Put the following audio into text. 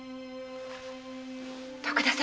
徳田様